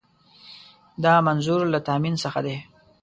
دا منظور له تامین څخه دی.